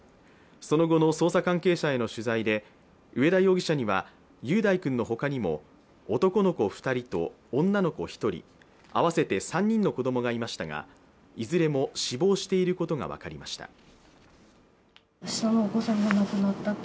その後の捜査関係者への取材で上田容疑者には、雄大君の他にも男の子２人と、女の子１人合わせて３人の子供がいましたがいずれも死亡していることが分かりました。